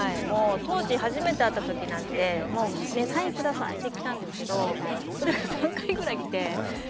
もう当時初めて会った時なんて「サイン下さい」って来たんですけどそれが３回ぐらい来て。